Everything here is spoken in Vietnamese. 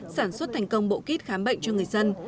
sản xuất thành công bộ kit khám bệnh cho người dân